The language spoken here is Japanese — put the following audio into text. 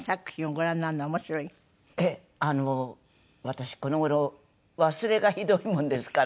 私この頃忘れがひどいもんですから。